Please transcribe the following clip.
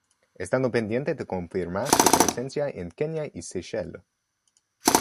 Estando pendiente de confirmar su presencia en Kenia y Seychelles.